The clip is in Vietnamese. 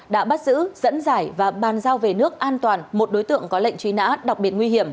đã bắt giữ dẫn giải và bàn giao về nước an toàn một đối tượng có lệnh truy nã đặc biệt nguy hiểm